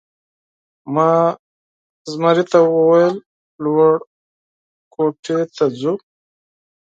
ما زمري ته وویل: لوړ کوټې ته ځو؟